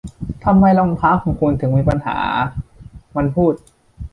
'ทำไมรองเท้าของคุณถึงมีปัญหา' มันพูด